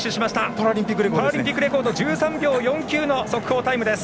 パラリンピックレコード１３秒４９の速報タイムです。